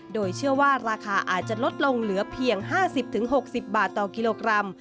โดยเชื่อว่าราคาอาจจะลดลงเหลือเพียง๕๐๖๐บาทต่อกิโลกรัม